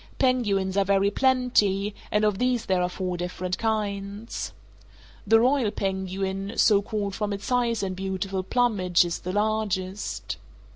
Penguins are very plenty, and of these there are four different kinds. The royal penguin, so called from its size and beautiful plumage, is the largest.